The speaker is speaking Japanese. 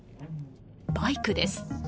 バイクです。